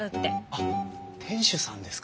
あっ店主さんですか。